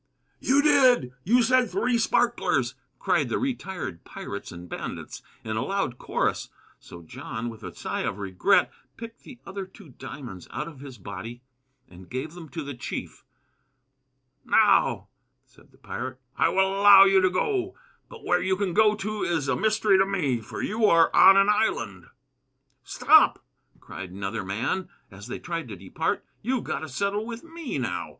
"You did! You said three sparklers!" cried the retired pirates and bandits, in a loud chorus. So John, with a sigh of regret, picked the other two diamonds out of his body and gave them to the chief. "Now," said the pirate, "I will allow you to go. But where you can go to is a mystery to me, for you are on an island." "Stop!" cried another man, as they turned to depart. "You've got to settle with me, now.